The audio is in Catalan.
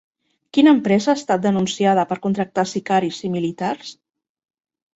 Quina empresa ha estat denunciada per contractar sicaris i militars?